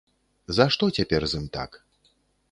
За што цяпер з ім так?